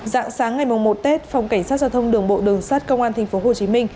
dạng sáng ngày một tết phòng cảnh sát giao thông đường bộ đường sát công an tp hcm